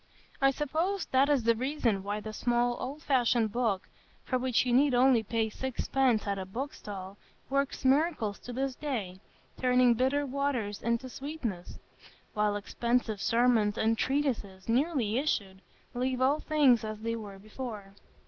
I suppose that is the reason why the small old fashioned book, for which you need only pay sixpence at a book stall, works miracles to this day, turning bitter waters into sweetness; while expensive sermons and treatises, newly issued, leave all things as they were before.